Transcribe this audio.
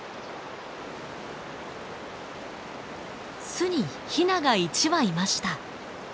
巣にヒナが１羽いました。